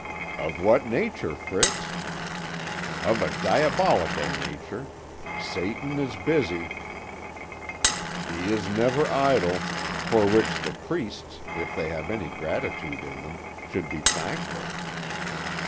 "Of what nature, Fritz?" "Of a diabolical nature. Satan is busy." "He is never idle for which the priests, if they have any gratitude in them, should be thankful."